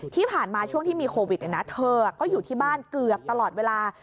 ที่ผ่านมาช่วงที่มีโควิดเธอก็อยู่ที่บ้านเกือบตลอดเวลา